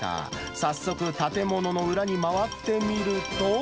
早速、建物に裏に回ってみると。